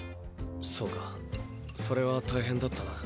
そうかそれは大変だったな。